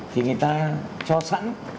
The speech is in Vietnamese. thì người ta cho sẵn